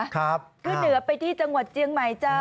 ขึ้นเหนือไปที่จังหวัดเจียงใหม่จ้า